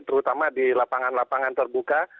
terutama di lapangan lapangan terbuka